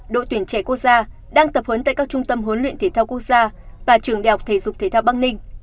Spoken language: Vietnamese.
đội tuyển trẻ quốc gia đang tập huấn tại các trung tâm huấn luyện thể thao quốc gia và trường đại học thể dục thể thao bắc ninh